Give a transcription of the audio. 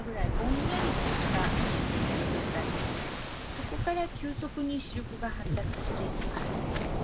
そこから急速に視力が発達していきます。